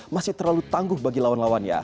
masih terlalu tangguh bagi lawan lawannya